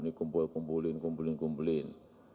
ini kumpul kumpulin kumpulin kumpulin